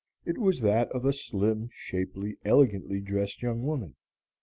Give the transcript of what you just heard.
It was that of a slim, shapely, elegantly dressed young woman.